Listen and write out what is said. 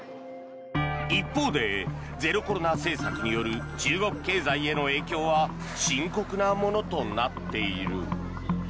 一方でゼロコロナ政策による中国経済への影響は深刻なものとなっている。